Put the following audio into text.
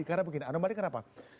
karena begini anomali kenapa